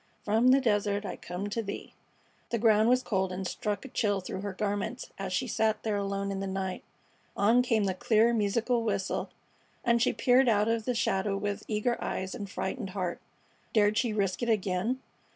From the desert I come to thee! The ground was cold, and struck a chill through her garments as she sat there alone in the night. On came the clear, musical whistle, and she peered out of the shadow with eager eyes and frightened heart. Dared she risk it again?